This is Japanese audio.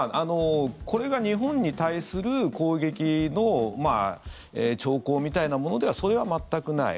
これが日本に対する攻撃の兆候みたいなものではそれは全くない。